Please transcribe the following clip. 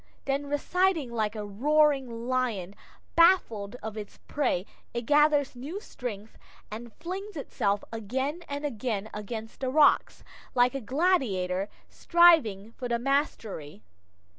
Then receding like a roaring lion baffled of its prey, it gathers new strength, and flings itself again and again against the rocks, like a gladiator striving for the mastery.